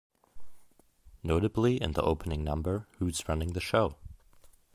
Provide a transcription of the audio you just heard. Notably in the opening number Who's running the show?